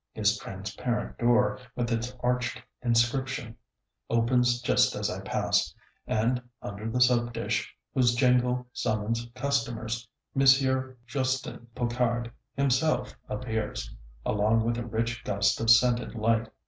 His transparent door, with its arched inscription, opens just as I pass, and under the soap dish, whose jingle summons customers, Monsieur Justin Pocard himself appears, along with a rich gust of scented light.